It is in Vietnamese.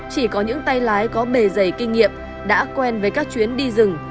chỉ có những tay lái có bề dày kinh nghiệm đã quen với các chuyến đi rừng